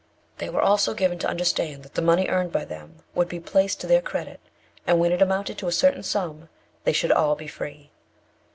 They were also given to understand that the money earned by them would be placed to their credit; and when it amounted to a certain sum, they should all be free.